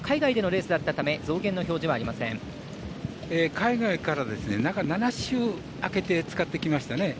海外から中７週あけて使ってきましたね。